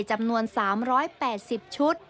จำนวน๓๘๐ชุด